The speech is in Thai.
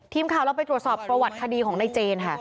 ทีมข่าวเราไปตรวจสอบประวัติคดีของนายเจนค่ะ